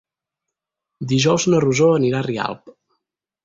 Dijous na Rosó anirà a Rialp.